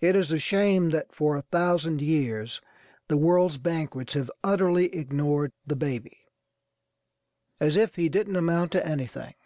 It is a shame that for a thousand years the world's banquets have utterly ignored the baby, as if he didn't amount to anything.